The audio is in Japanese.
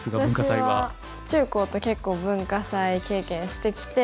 私は中高と結構文化祭経験してきて。